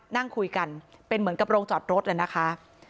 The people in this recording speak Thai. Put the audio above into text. นั่งคุยกันเป็นเหมือนกับโรงจอดรถเลยนะคะ